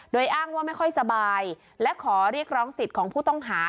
โดยอ้างว่าไม่ค่อยสบายและขอเรียกร้องสิทธิ์ของผู้ต้องหา